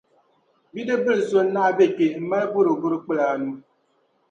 Bidib’ bil’ so n-naɣ’ be kpe m-mali bɔrobɔro kpila anu.